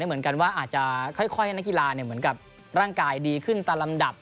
เหมือนกันว่าอาจจะค่อยให้นักกีฬาเหมือนกับร่างกายดีขึ้นตามลำดับ